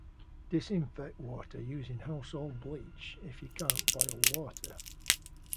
Disinfect water using household bleach, if you can’t boil water.